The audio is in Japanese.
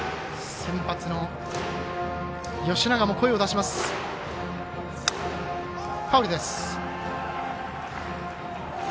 先発の吉永も声を出します。